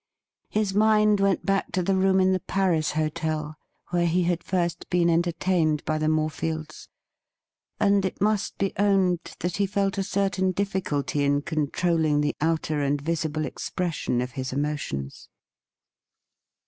His mind went back to the room in the Paris hotel, where he had first been entertained by the More fields, and it must be owned that he felt a certain difii culty in controlling the outer and visible expression of his emotions.